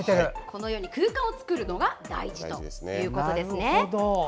このように空間を作るのが大事ということです。